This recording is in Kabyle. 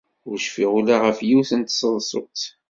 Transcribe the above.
Ur cfiɣ ula ɣef yiwet n tseḍsut.